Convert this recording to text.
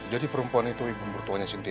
jadi perempuan itu ibu pembantuannya cynthia